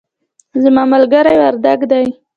زما ملګری وردګ دی